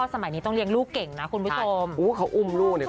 สมัยนี้ต้องเลี้ยงลูกเก่งนะคุณผู้ชมอุ้ยเขาอุ้มลูกเลย